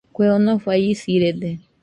Kue onofai isirede